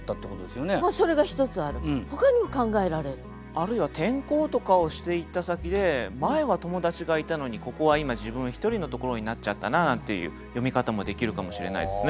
あるいは転校とかをしていった先で前は友達がいたのにここは今自分一人のところになっちゃったななんていう読み方もできるかもしれないですね。